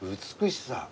美しさ。